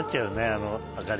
あの明かり。